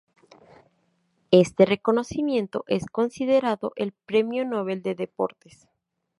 Este reconocimiento es considerado el Premio Nobel de Deportes.